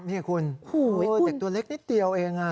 นี่คุณเด็กตัวเล็กนิดเดียวเอง